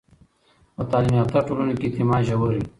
په تعلیم یافته ټولنو کې اعتماد ژور وي.